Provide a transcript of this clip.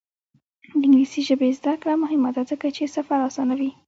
د انګلیسي ژبې زده کړه مهمه ده ځکه چې سفر اسانوي.